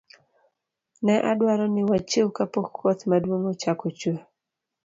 Ne adwaro ni wachiew kapok koth maduong' ochako chue.